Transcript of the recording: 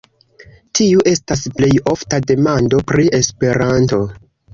Tiu estas plej ofta demando pri Esperanto.